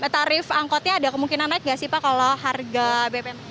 tarif angkotnya ada kemungkinan naik nggak sih pak kalau harga bbm